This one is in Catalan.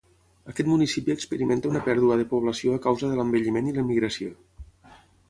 Aquest municipi experimenta una pèrdua de població a causa de l'envelliment i l'emigració.